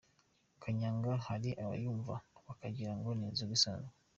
Kanyanga hari abayumva bakagira ngo ni inzoga isanzwe.